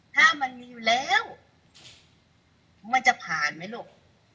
ถ้ามันมีอยู่แล้วมันจะผ่านไหมลูก